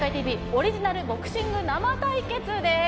オリジナルボクシング生対決です。